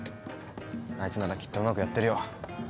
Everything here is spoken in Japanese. あいつならきっとうまくやってるよ。